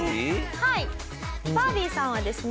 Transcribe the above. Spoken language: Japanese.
バービーさんはですね